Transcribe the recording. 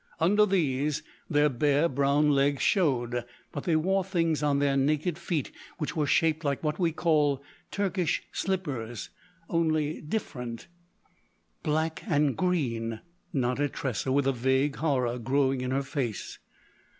Under these their bare, brown legs showed, but they wore things on their naked feet which were shaped like what we call Turkish slippers—only different." "Black and green," nodded Tressa with the vague horror growing in her face.